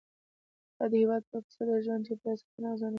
دا د هېواد په اقتصاد او د ژوند چاپېریال ساتنه کې اغیزمن دي.